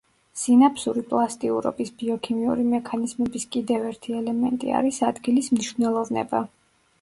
სინაფსური პლასტიურობის ბიოქიმიური მექანიზმების კიდევ ერთი ელემენტი არის ადგილის მნიშვნელოვნება.